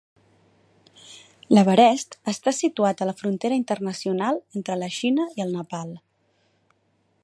L'Everest està situat a la frontera internacional entre la Xina i el Nepal.